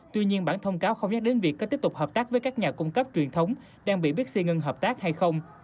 tuy nhiên bản thông cáo không nhắc đến việc có tiếp tục hợp tác với các nhà cung cấp truyền thống đang bị bixi ngân hợp tác hay không